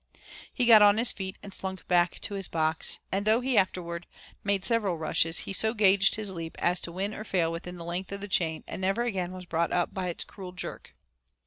He got on his feet and slunk back to his box, and though he afterward made several rushes he so gauged his leap as to win or fail within the length of the chain and never again was brought up by its cruel jerk.